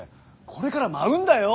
これから舞うんだよ？